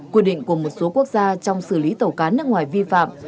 quy định của một số quốc gia trong xử lý tàu cá nước ngoài vi phạm